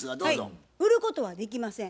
売ることはできません。